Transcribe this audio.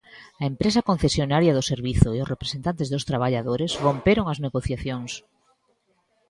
A empresa concesionaria do servizo e os representantes dos traballadores romperon as negociacións.